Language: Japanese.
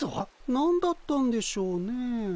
何だったんでしょうねえ。